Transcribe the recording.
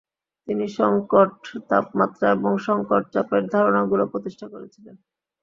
তিনি সংকট তাপমাত্রা এবং সংকট চাপের ধারণাগুলো প্রতিষ্ঠা করেছিলেন।